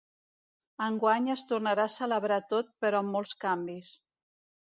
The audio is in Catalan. Enguany es tornarà a celebrar tot però amb molts canvis.